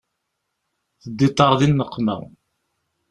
Teddiḍ-aɣ di nneqma.